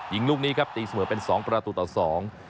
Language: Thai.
ยิงลูกนี้ครับตีเสมอเป็น๒ประตูตอน๒